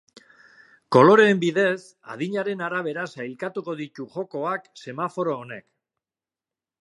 Koloreen bidez, adinaren arabera sailkatuko ditu jokoak semaforo honek.